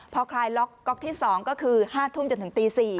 พอคลายล็อกก๊อกที่๒ก็คือ๕ทุ่มจนถึงตี๔